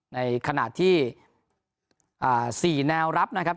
ในขณะที่๔แนวรับนะครับ